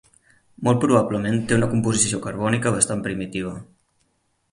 Molt probablement té una composició carbònica bastant primitiva.